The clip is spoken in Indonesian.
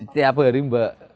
tiap hari mbak